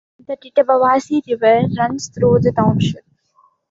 The Tittabawassee River runs through the township.